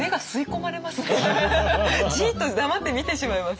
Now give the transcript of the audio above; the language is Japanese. じっと黙って見てしまいます。